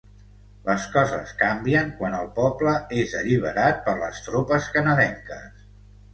Les coses canvien quan el poble és alliberat per les tropes canadenques.